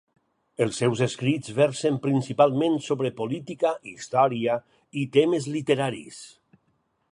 Els seus escrits versen principalment sobre política, història i temes literaris.